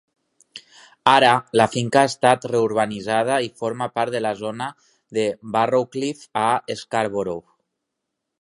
Ara la finca ha estat reurbanitzada i forma part de la zona de Barrowcliff a Scarborough.